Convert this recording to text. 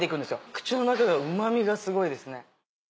口の中がうまみがすごいですね。